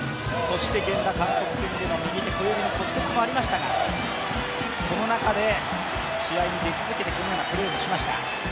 源田は韓国戦で右手小指の骨折もありましたが、その中で試合に出続けてこのようなプレーもしました。